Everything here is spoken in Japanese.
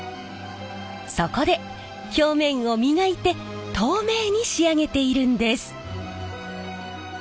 そこで表面を磨いて透明に仕上げているんです。